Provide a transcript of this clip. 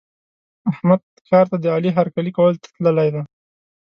احمد ښار ته د علي هرکلي کولو ته تللی دی.